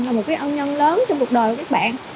là một cái ân nhân lớn trong cuộc đời của các bạn